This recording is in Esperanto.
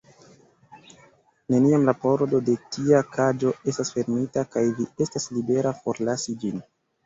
Neniam la pordo de tia kaĝo estas fermita, kaj vi estas libera forlasi ĝin.